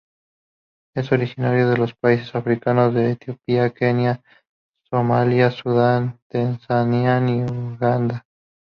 Es originaria de los países africanos de Etiopía, Kenia, Somalia, Sudán, Tanzania y Uganda.